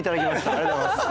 ありがとうございます。